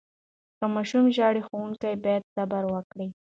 که ماشوم ژاړي، ښوونکي باید صبر وکړي.